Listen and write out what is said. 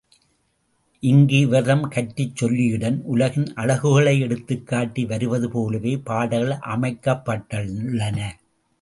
இங்கு இவர் தம் கற்றுச் சொல்லியிடம் உலகின் அழகுகளை எடுத்துக்காட்டி வருவது போலவே பாடல்கள் அமைக்கப்பட்டுள்ளன.